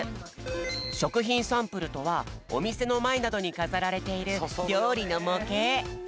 しょくひんサンプルとはおみせのまえなどにかざられているりょうりのもけい。